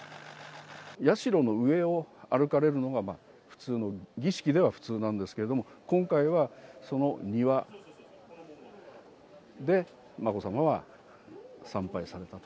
社の上を歩かれるのが普通の、儀式では普通なんですけれども、今回はその庭でまこさまは参拝されたと。